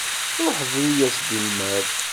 Ruḥ bru-yas-d i lmal.